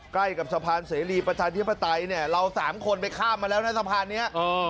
ใกล้กับสะพานเสรีประชาธิปไตยเนี่ยเราสามคนไปข้ามมาแล้วนะสะพานนี้